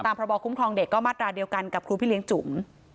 พระบอคุ้มครองเด็กก็มาตราเดียวกันกับครูพี่เลี้ยงจุ๋ม